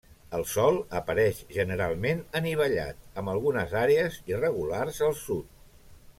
El sòl apareix generalment anivellat, amb algunes àrees irregulars al sud.